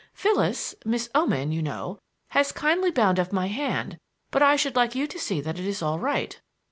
"Phyllis Miss Oman, you know has kindly bound up my hand, but I should like you to see that it is all right."